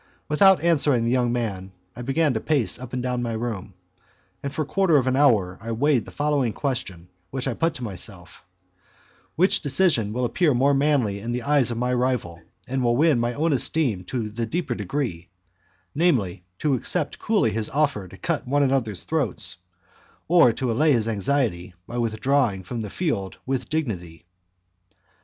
Without answering the young man, I began to pace up and down my room, and for a quarter of an hour I weighed the following question which I put to myself: Which decision will appear more manly in the eyes of my rival and will win my own esteem to the deeper degree, namely to accept coolly his offer to cut one another's throats, or to allay his anxiety by withdrawing from the field with dignity?